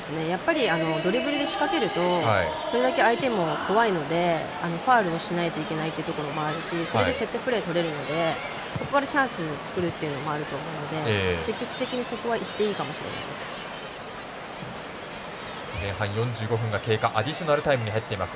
ドリブルを仕掛けるとそれだけ相手も怖いのでファウルをしないといけないと思うのでそれでセットプレーを取れるのでそこからチャンスを作るっていうのもあると思うので積極的にそこはアディショナルタイムに入っています。